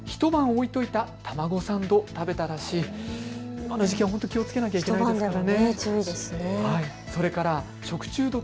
今の時期は本当に気をつけないといけないですね。